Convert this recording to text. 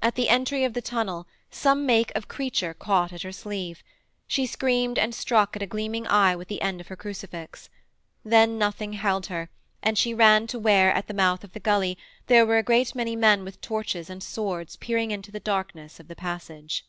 At the entry of the tunnel some make of creature caught at her sleeve. She screamed and struck at a gleaming eye with the end of her crucifix. Then nothing held her, and she ran to where, at the mouth of the gully, there were a great many men with torches and swords peering into the darkness of the passage.